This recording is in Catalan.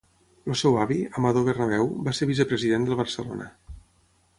El seu avi, Amador Bernabeu, va ser vicepresident del Barcelona.